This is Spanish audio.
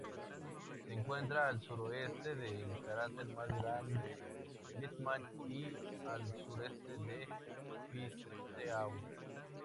Se encuentra al suroeste del cráter más grande Lippmann y al sureste de Fizeau.